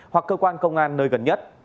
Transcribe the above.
hoặc cơ quan công an nơi gần nhất